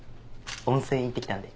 温泉行ってきたんで。